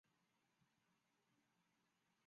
是日本漫画家濑尾公治创作的恋爱漫画作品。